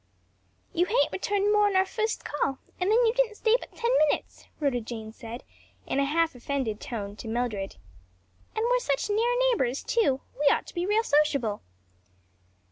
"YOU hain't returned more'n our fust call; and then you didn't stay but ten minutes," Rhoda Jane said in a half offended tone, to Mildred, "And we're such near neighbors too; we'd ought to be real sociable."